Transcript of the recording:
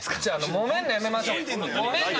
もめんのやめましょ。